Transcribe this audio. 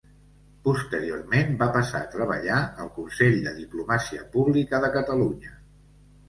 Posteriorment va passar a treballar al Consell de Diplomàcia Pública de Catalunya.